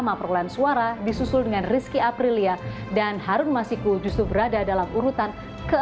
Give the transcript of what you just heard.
lima perolehan suara disusul dengan rizky aprilia dan harun masiku justru berada dalam urutan ke enam